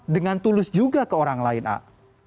dengan tulus juga ke orang lain ak